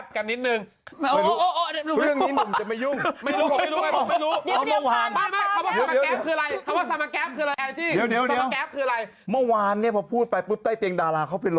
พระนางคู่นั้นคือใคร